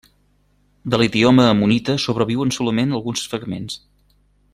De l'idioma ammonita sobreviuen solament alguns fragments.